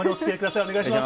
お願いします。